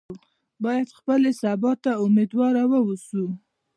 باید خپلې سبا ته امیدواره واوسو.